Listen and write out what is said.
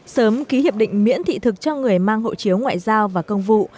sớm ký hiệp định miễn thị thực cho người mang hộ chiếu ngoại giao và công vụ